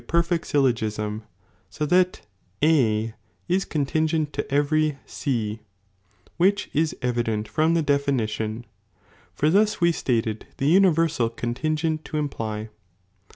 perfect syllogism, so that "™i'ite'r°"' ^'^ conlingent to every C, which is evident from williKapcrfoci the definition, for thus we stated the universal >y ogum. conlingent (to imply).